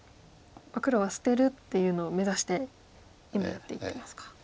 黒は捨てるっていうのを目指して今やっていってますか。